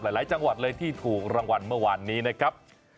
หลายจังหวัดเลยที่ถูกรางวัลเมื่อวานนี้นะครับ